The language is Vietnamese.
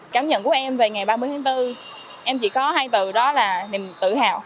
cảm nhận của em về ngày ba mươi tháng bốn em chỉ có hai từ đó là niềm tự hào